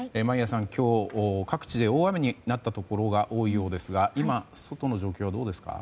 今日、各地で大雨になったところが多いようですが今、外の状況はどうですか？